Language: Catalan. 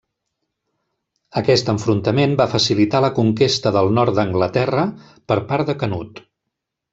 Aquest enfrontament va facilitar la conquesta del nord d'Anglaterra per part de Canut.